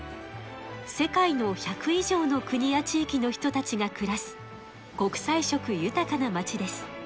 世界の１００いじょうの国やちいきの人たちがくらす国さい色ゆたかな町です。